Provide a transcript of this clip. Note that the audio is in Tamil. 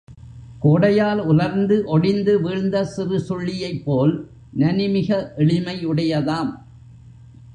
கோடையால் உலர்ந்து ஒடிந்து வீழ்ந்த சிறு சுள்ளியைப் போல் நனிமிக எளிமை யுடையதாம்.